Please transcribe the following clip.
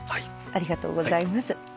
ありがとうございます。